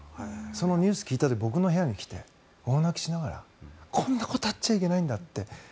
そのニュースを聞いた時に僕の部屋に来て大泣きしながらこんなことあっちゃいけないんだって。